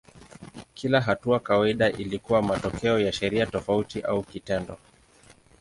Kila hatua kawaida ilikuwa matokeo ya sheria tofauti au kitendo.